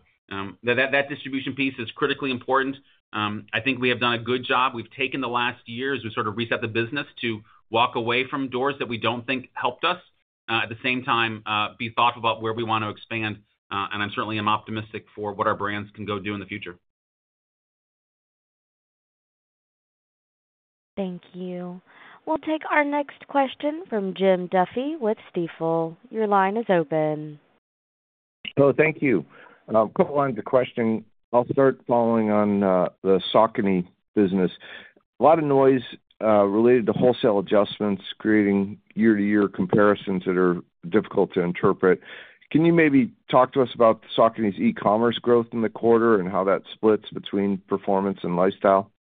that distribution piece is critically important. I think we have done a good job. We've taken the last years we sort of reset the business to walk away from doors that we don't think helped us, at the same time, be thoughtful about where we want to expand. And I'm certainly optimistic for what our brands can go do in the future. Thank you. We'll take our next question from Jim Duffy with Stifel. Your line is open. Hello. Thank you. A couple of lines of question. I'll start following on the Saucony business. A lot of noise related to wholesale adjustments creating year-to-year comparisons that are difficult to interpret. Can you maybe talk to us about Saucony's e-commerce growth in the quarter and how that splits between performance and lifestyle?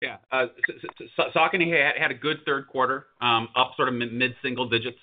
Yeah. Saucony had a good third quarter, up sort of mid-single digits.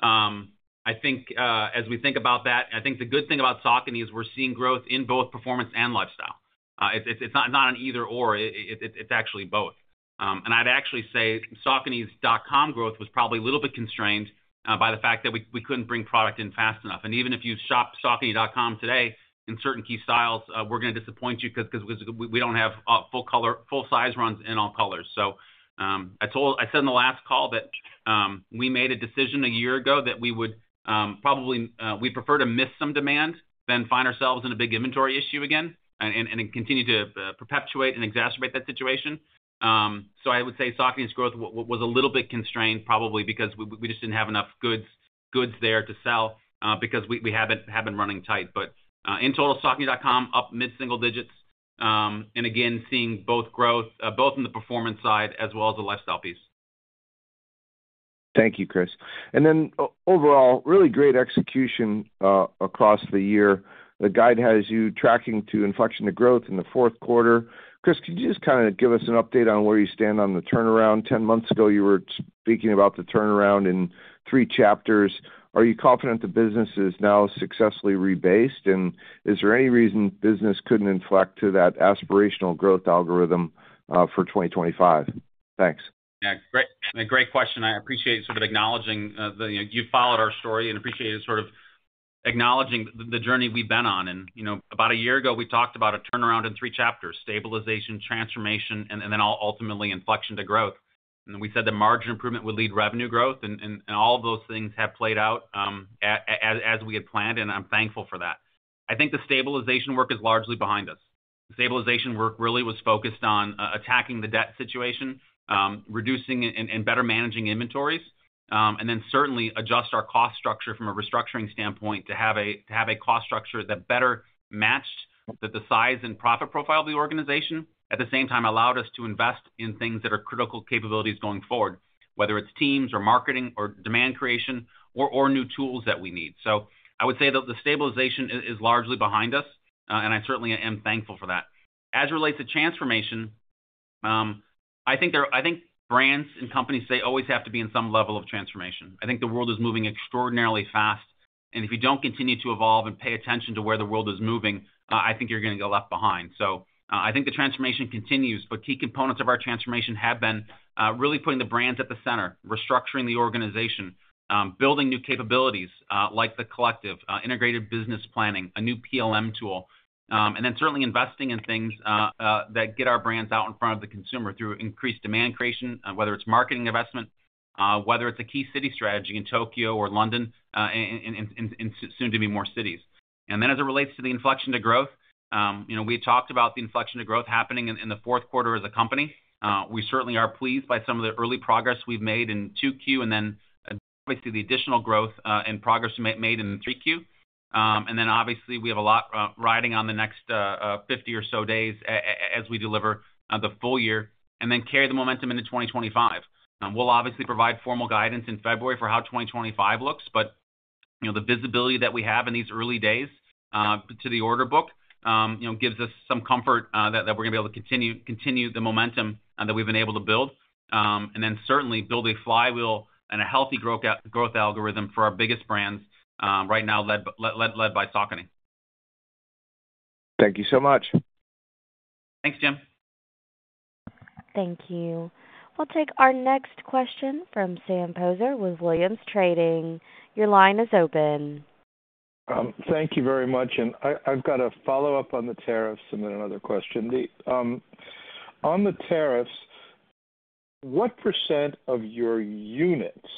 I think as we think about that, I think the good thing about Saucony is we're seeing growth in both performance and lifestyle. It's not an either/or. It's actually both. And I'd actually say Saucony's dot-com growth was probably a little bit constrained by the fact that we couldn't bring product in fast enough. And even if you shop Saucony.com today in certain key styles, we're going to disappoint you because we don't have full-size runs in all colors. So I said in the last call that we made a decision a year ago that we would probably prefer to miss some demand than find ourselves in a big inventory issue again and continue to perpetuate and exacerbate that situation. So I would say Saucony's growth was a little bit constrained probably because we just didn't have enough goods there to sell because we have been running tight. But in total, Saucony.com up mid-single digits. And again, seeing both growth, both in the performance side as well as the lifestyle piece. Thank you, Chris. And then overall, really great execution across the year. The guide has you tracking to inflection to growth in the fourth quarter. Chris, could you just kind of give us an update on where you stand on the turnaround? 10 months ago, you were speaking about the turnaround in three chapters. Are you confident the business is now successfully rebased? And is there any reason business couldn't inflect to that aspirational growth algorithm for 2025? Thanks. Yeah. Great question. I appreciate sort of acknowledging that you followed our story and appreciated sort of acknowledging the journey we've been on. And about a year ago, we talked about a turnaround in three chapters: stabilization, transformation, and then ultimately inflection to growth. And we said that margin improvement would lead revenue growth. And all of those things have played out as we had planned, and I'm thankful for that. I think the stabilization work is largely behind us. Stabilization work really was focused on attacking the debt situation, reducing and better managing inventories, and then certainly adjust our cost structure from a restructuring standpoint to have a cost structure that better matched the size and profit profile of the organization. At the same time, allowed us to invest in things that are critical capabilities going forward, whether it's teams or marketing or demand creation or new tools that we need. So I would say that the stabilization is largely behind us, and I certainly am thankful for that. As it relates to transformation, I think brands and companies always have to be in some level of transformation. I think the world is moving extraordinarily fast, and if you don't continue to evolve and pay attention to where the world is moving, I think you're going to get left behind. So I think the transformation continues, but key components of our transformation have been really putting the brands at the center, restructuring the organization, building new capabilities like the Collective, integrated business planning, a new PLM tool, and then certainly investing in things that get our brands out in front of the consumer through increased demand creation, whether it's marketing investment, whether it's a key city strategy in Tokyo or London and soon to be more cities. And then as it relates to the inflection to growth, we talked about the inflection to growth happening in the fourth quarter as a company. We certainly are pleased by some of the early progress we've made in 2Q and then obviously the additional growth and progress we made in 3Q. And then obviously, we have a lot riding on the next 50 or so days as we deliver the full year and then carry the momentum into 2025. We'll obviously provide formal guidance in February for how 2025 looks. But the visibility that we have in these early days to the order book gives us some comfort that we're going to be able to continue the momentum that we've been able to build and then certainly build a flywheel and a healthy growth algorithm for our biggest brands right now led by Saucony. Thank you so much. Thanks, Jim. Thank you. We'll take our next question from Sam Poser with Williams Trading. Your line is open. Thank you very much. And I've got a follow-up on the tariffs and then another question. On the tariffs, what percent of your units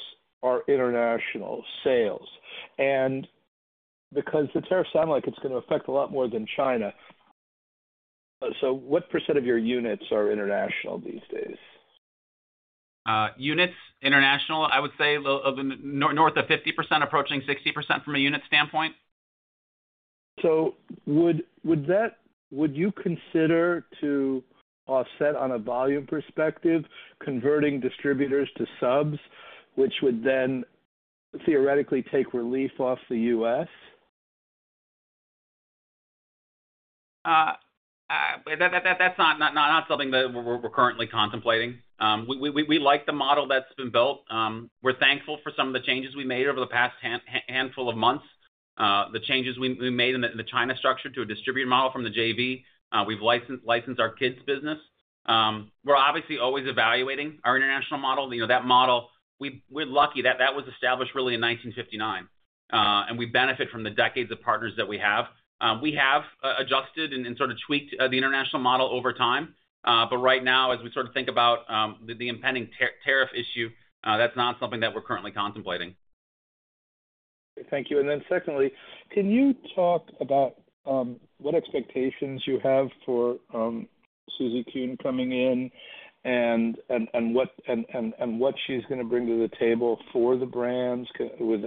are international sales? And because the tariffs sound like it's going to affect a lot more than China, so what percent of your units are international these days? Units international, I would say north of 50%, approaching 60% from a unit standpoint. So would you consider to offset on a volume perspective converting distributors to subs, which would then theoretically take relief off the US? That's not something that we're currently contemplating. We like the model that's been built. We're thankful for some of the changes we made over the past handful of months, the changes we made in the China structure to a distributed model from the JV. We've licensed our kids' business. We're obviously always evaluating our international model. That model, we're lucky that that was established really in 1959. And we benefit from the decades of partners that we have. We have adjusted and sort of tweaked the international model over time. But right now, as we sort of think about the impending tariff issue, that's not something that we're currently contemplating. Thank you. And then secondly, can you talk about what expectations you have for Susie Kuhn coming in and what she's going to bring to the table for the brands with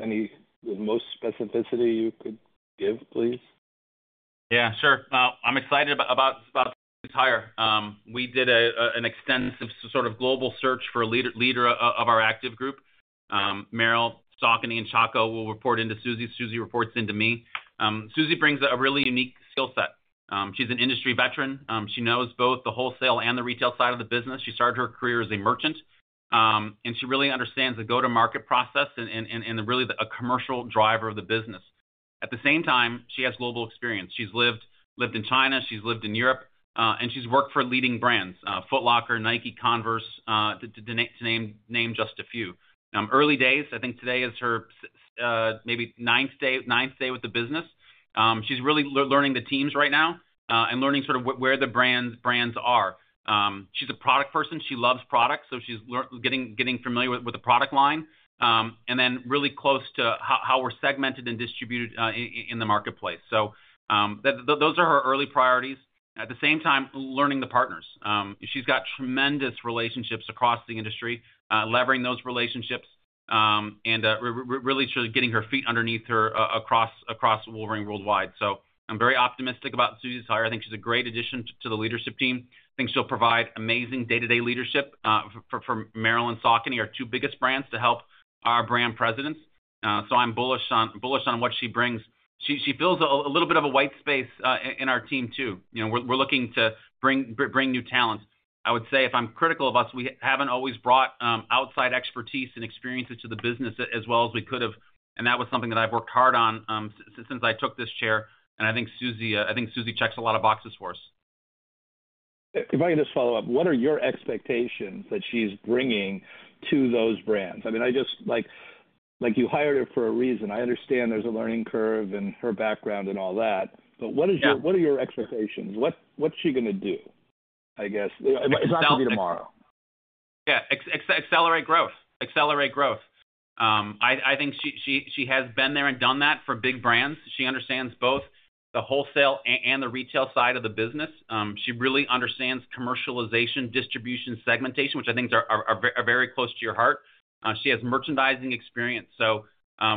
most specificity you could give, please? Yeah, sure. I'm excited about the entire. We did an extensive sort of global search for a leader of our active group. Merrell, Saucony, and Chaco will report into Susie. Susie reports into me. Susie brings a really unique skill set. She's an industry veteran. She knows both the wholesale and the retail side of the business. She started her career as a merchant. And she really understands the go-to-market process and really a commercial driver of the business. At the same time, she has global experience. She's lived in China. She's lived in Europe. And she's worked for leading brands: Foot Locker, Nike, Converse, to name just a few. Early days, I think today is her maybe ninth day with the business. She's really learning the teams right now and learning sort of where the brands are. She's a product person. She loves products. So she's getting familiar with the product line and then really close to how we're segmented and distributed in the marketplace. So those are her early priorities. At the same time, learning the partners. She's got tremendous relationships across the industry, leveraging those relationships and really sort of getting her feet underneath her across Wolverine World Wide. So I'm very optimistic about Susie's hire. I think she's a great addition to the leadership team. I think she'll provide amazing day-to-day leadership for Merrell and Saucony, our two biggest brands, to help our brand presidents. So I'm bullish on what she brings. She fills a little bit of a white space in our team too. We're looking to bring new talent. I would say if I'm critical of us, we haven't always brought outside expertise and experiences to the business as well as we could have. And that was something that I've worked hard on since I took this chair. And I think Susie checks a lot of boxes for us. If I can just follow up, what are your expectations that she's bringing to those brands? I mean, I just like you hired her for a reason. I understand there's a learning curve and her background and all that. But what are your expectations? What's she going to do, I guess? It's not going to be tomorrow. Yeah. Accelerate growth. Accelerate growth. I think she has been there and done that for big brands. She understands both the wholesale and the retail side of the business. She really understands commercialization, distribution, segmentation, which I think are very close to your heart. She has merchandising experience. So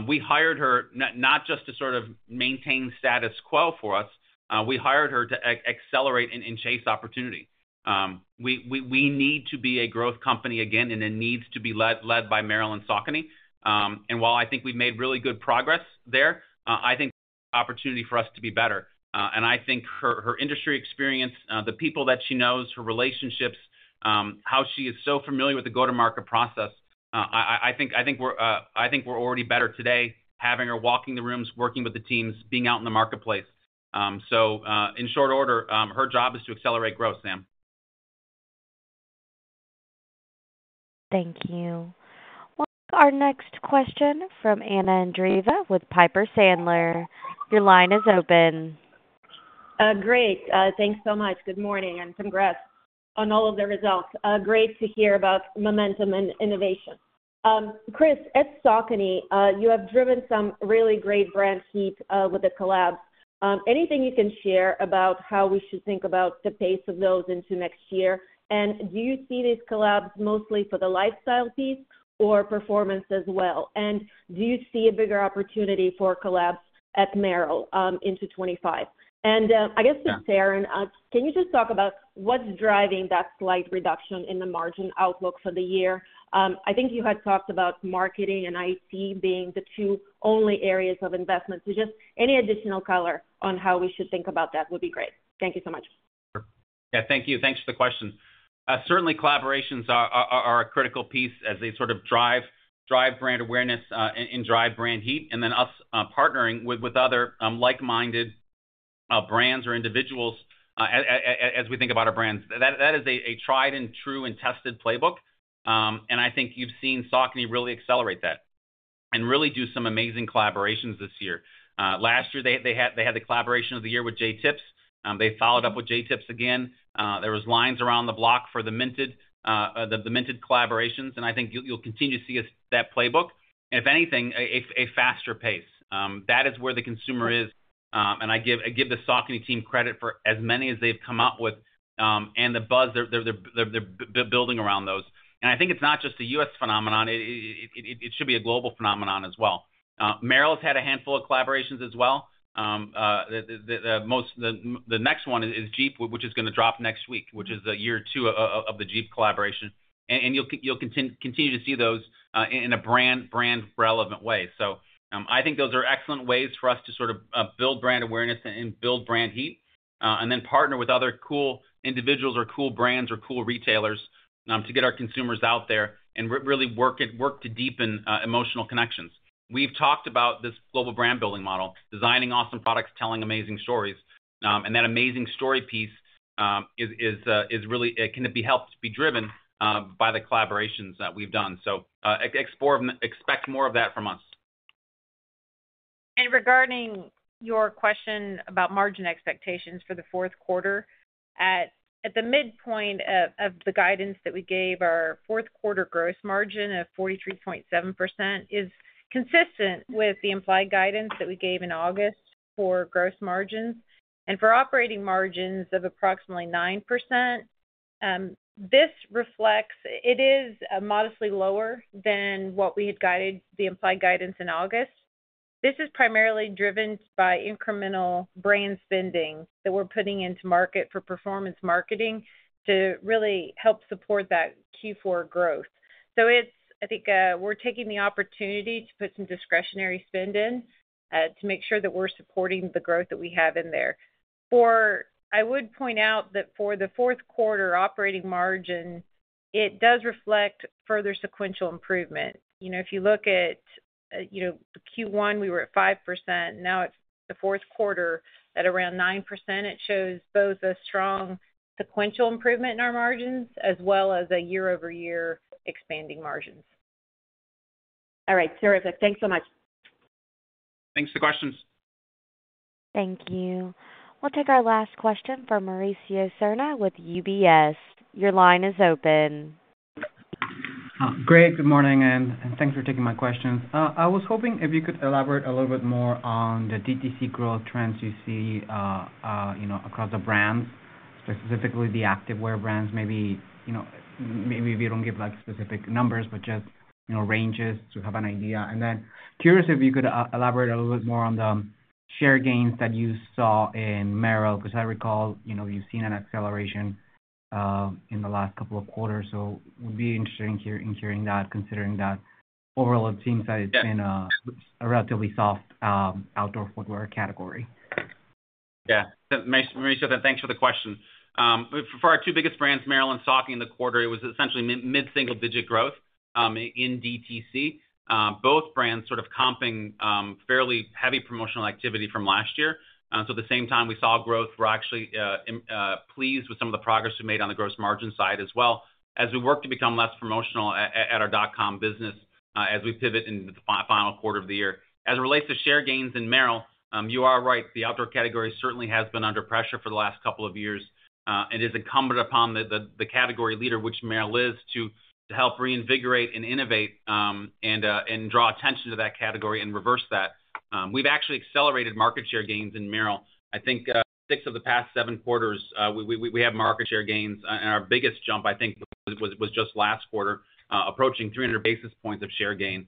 we hired her not just to sort of maintain status quo for us. We hired her to accelerate and chase opportunity. We need to be a growth company again, and it needs to be led by Merrell and Saucony. And while I think we've made really good progress there, I think there's opportunity for us to be better. And I think her industry experience, the people that she knows, her relationships, how she is so familiar with the go-to-market process, I think we're already better today having her walking the rooms, working with the teams, being out in the marketplace. So in short order, her job is to accelerate growth, Sam. Thank you. We'll take our next question from Anna Andreeva with Piper Sandler. Your line is open. Great. Thanks so much. Good morning and congrats on all of the results. Great to hear about momentum and innovation. Chris, at Saucony, you have driven some really great brand heat with the collabs. Anything you can share about how we should think about the pace of those into next year? And do you see these collabs mostly for the lifestyle piece or performance as well? And do you see a bigger opportunity for collabs at Merrell into 2025? And I guess for Taryn, can you just talk about what's driving that slight reduction in the margin outlook for the year? I think you had talked about marketing and IT being the two only areas of investment. So just any additional color on how we should think about that would be great. Thank you so much. Yeah. Thank you. Thanks for the question. Certainly, collaborations are a critical piece as they sort of drive brand awareness and drive brand heat. And then us partnering with other like-minded brands or individuals as we think about our brands. That is a tried and true and tested playbook. And I think you've seen Saucony really accelerate that and really do some amazing collaborations this year. Last year, they had the collaboration of the year with Jae Tips. They followed up with Jae Tips again. There were lines around the block for the Minted collaborations. And I think you'll continue to see that playbook. And if anything, a faster pace. That is where the consumer is. And I give the Saucony team credit for as many as they've come up with and the buzz they're building around those. And I think it's not just a U.S. phenomenon. It should be a global phenomenon as well. Merrell has had a handful of collaborations as well. The next one is Jeep, which is going to drop next week, which is year two of the Jeep collaboration. And you'll continue to see those in a brand-relevant way. So I think those are excellent ways for us to sort of build brand awareness and build brand heat and then partner with other cool individuals or cool brands or cool retailers to get our consumers out there and really work to deepen emotional connections. We've talked about this global brand-building model, designing awesome products, telling amazing stories. That amazing story piece can be helped be driven by the collaborations that we've done. Expect more of that from us. Regarding your question about margin expectations for the fourth quarter, at the midpoint of the guidance that we gave, our fourth quarter gross margin of 43.7% is consistent with the implied guidance that we gave in August for gross margins. For operating margins of approximately 9%, this reflects it is modestly lower than what we had guided the implied guidance in August. This is primarily driven by incremental brand spending that we're putting into market for performance marketing to really help support that Q4 growth. I think we're taking the opportunity to put some discretionary spend in to make sure that we're supporting the growth that we have in there. I would point out that for the fourth quarter operating margin, it does reflect further sequential improvement. If you look at Q1, we were at 5%. Now, the fourth quarter at around 9%. It shows both a strong sequential improvement in our margins as well as a year-over-year expanding margins. All right. Terrific. Thanks so much. Thanks for the questions. Thank you. We'll take our last question from Mauricio Serna with UBS. Your line is open. Great. Good morning. And thanks for taking my questions. I was hoping if you could elaborate a little bit more on the DTC growth trends you see across the brands, specifically the active wear brands. Maybe if you don't give specific numbers, but just ranges to have an idea. And then, curious if you could elaborate a little bit more on the share gains that you saw in Merrell because I recall you've seen an acceleration in the last couple of quarters. So it would be interesting in hearing that, considering that overall it seems that it's been a relatively soft outdoor footwear category. Yeah. Mauricio, thanks for the question. For our two biggest brands, Merrell and Saucony, in the quarter, it was essentially mid-single-digit growth in DTC. Both brands sort of comping fairly heavy promotional activity from last year. So at the same time, we saw growth. We're actually pleased with some of the progress we made on the gross margin side as well as we work to become less promotional at our dot-com business as we pivot into the final quarter of the year. As it relates to share gains in Merrell, you are right. The outdoor category certainly has been under pressure for the last couple of years and is incumbent upon the category leader, which Merrell is, to help reinvigorate and innovate and draw attention to that category and reverse that. We've actually accelerated market share gains in Merrell. I think six of the past seven quarters, we had market share gains, and our biggest jump, I think, was just last quarter, approaching 300 basis points of share gain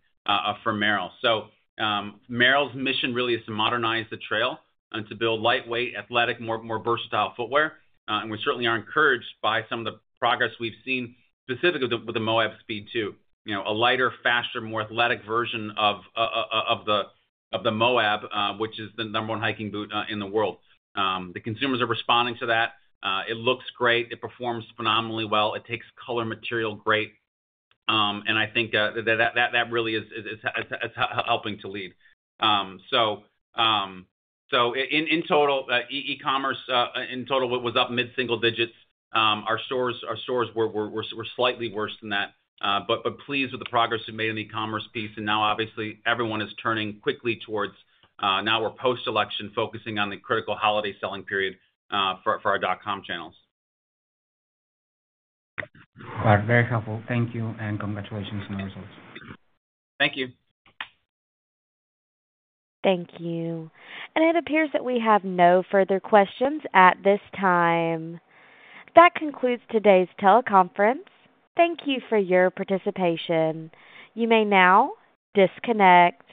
for Merrell, so Merrell's mission really is to modernize the trail and to build lightweight, athletic, more versatile footwear, and we certainly are encouraged by some of the progress we've seen, specifically with the Moab Speed 2, a lighter, faster, more athletic version of the Moab, which is the number one hiking boot in the world. The consumers are responding to that. It looks great. It performs phenomenally well. It takes color material great. I think that really is helping to lead. In total, e-commerce in total was up mid-single digits. Our stores were slightly worse than that. Pleased with the progress we've made in the e-commerce piece. Now, obviously, everyone is turning quickly towards now we're post-election focusing on the critical holiday selling period for our dot-com channels. Very helpful. Thank you. Congratulations on the results. Thank you. Thank you. It appears that we have no further questions at this time. That concludes today's teleconference. Thank you for your participation. You may now disconnect.